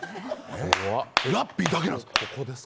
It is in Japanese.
ラッピーだけなんですよ。